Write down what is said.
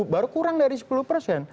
baru kurang dari sepuluh persen